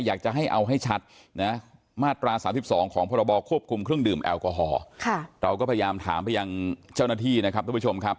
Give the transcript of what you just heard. อยากจะให้เอาให้ชัดนะมาตรา๓๒ของพรบควบคุมเครื่องดื่มแอลกอฮอล์เราก็พยายามถามไปยังเจ้าหน้าที่นะครับทุกผู้ชมครับ